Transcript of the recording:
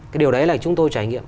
cái điều đấy là chúng tôi trải nghiệm